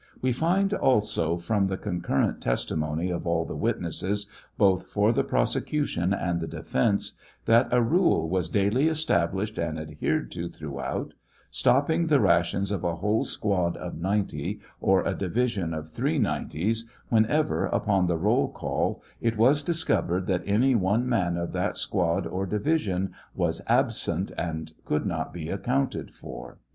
We find also, from the con current testimony of all the witnesses, both for the prosecution and the defence, that a, rule was daily established and adherd to throughout, stopping the rations of a whole squad of 90, or a division of three nineties, whenever, upon the roll call, it was discovered that any one man of that squad or division was absent and could not be accounted for.